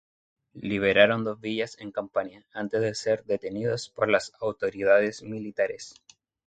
Liberaron dos villas en Campania antes de ser detenidos por las autoridades militares.